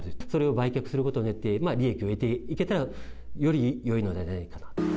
売却することによって利益を得ていけたら、よりよいのではないかな。